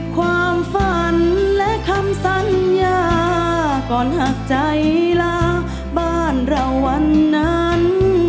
ความฝันและคำสัญญาก่อนหากใจลาบ้านเราวันนั้น